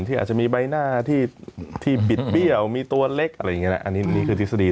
อาจจะมีใบหน้าที่บิดเบี้ยวมีตัวเล็กอะไรอย่างนี้นะอันนี้คือทฤษฎี